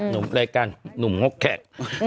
น์นุ่มงกแขก